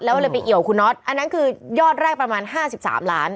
แล้วเลยไปเหี่ยวคุณนอธอันนั้นคือยอดแรกประมาณห้าสิบสามล้าน